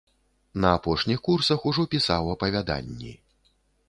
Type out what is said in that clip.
На апошніх курсах ужо пісаў апавяданні.